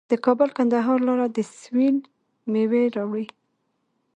د کابل کندهار لاره د سویل میوې راوړي.